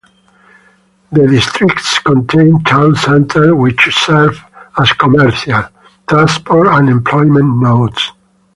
The districts contain town centres which serve as commercial, transport and employment nodes.